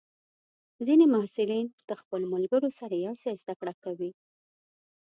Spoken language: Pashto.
ځینې محصلین د خپلو ملګرو سره یوځای زده کړه کوي.